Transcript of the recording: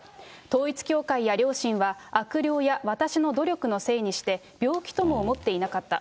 統一教会や両親は悪霊や私の努力のせいにして、病気とも思っていなかった。